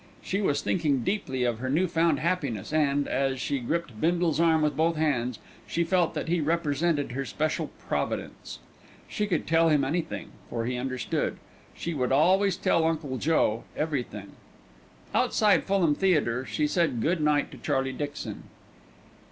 She was thinking deeply of her new found happiness and, as she gripped Bindle's arm with both hands, she felt that he represented her special Providence. She could tell him anything, for he understood. She would always tell Uncle Joe everything. Outside Fulham Theatre she said good night to Charlie Dixon.